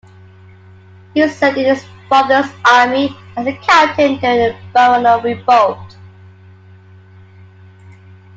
He served in his father's army as a captain during the baronial revolt.